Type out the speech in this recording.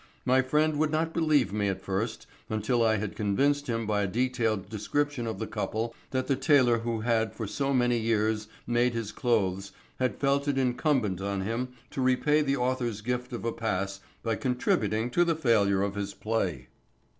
My friend would not believe me at first until I had convinced him by a detailed description of the couple that the tailor who had for so many years made his clothes had felt it incumbent on him to repay the author's gift of a pass by contributing to the failure of his play.